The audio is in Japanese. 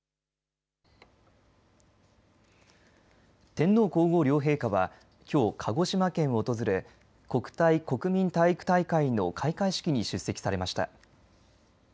天皇皇后両陛下はきょう鹿児島県を訪れ国体＝国民体育大会の開会式に出席されました。